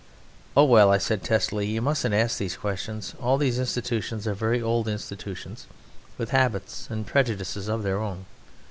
"Oh, well," I said testily, "you mustn't ask those questions. All these institutions are very old institutions with habits and prejudices of their own.